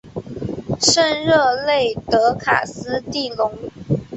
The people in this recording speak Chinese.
圣热内德卡斯蒂隆。